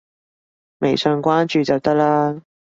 微信關注就得啦